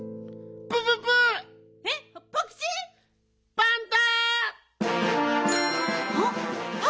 パンタ！